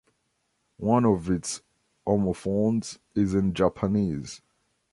One of its homophones is in Japanese.